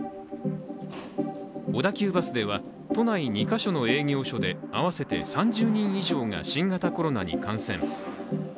小田急バスでは、都内２か所の営業所で合わせて３０人以上が新型コロナに感染。